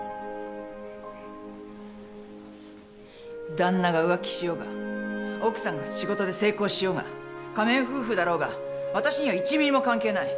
旦那が浮気しようが奥さんが仕事で成功しようが仮面夫婦だろうが私には１ミリも関係ない。